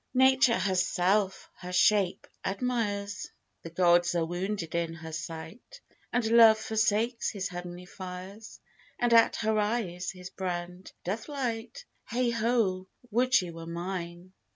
Nature herself her shape admires; The Gods are wounded in her sight; And Love forsakes his heavenly fires And at her eyes his brand doth light: Heigh ho, would she were mine!